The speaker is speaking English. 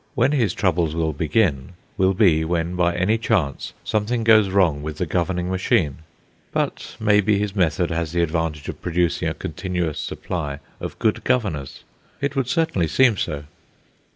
When his troubles will begin will be when by any chance something goes wrong with the governing machine. But maybe his method has the advantage of producing a continuous supply of good governors; it would certainly seem so.